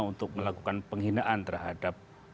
untuk melakukan penghinaan terhadap